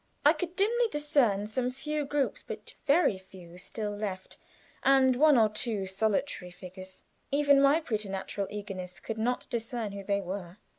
I could dimly discern some few groups, but very few, still left, and one or two solitary figures. Even my preternatural eagerness could not discern who they were!